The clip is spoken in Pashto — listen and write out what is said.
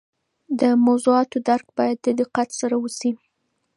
د موضوعات درک باید د دقت سره وسي.